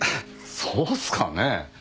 そうっすかね？